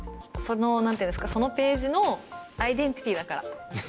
そのページのアイデンティティーだから。